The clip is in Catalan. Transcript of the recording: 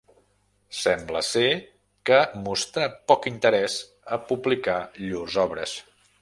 Sembla ser, què mostrà poc interès a publicar llurs obres.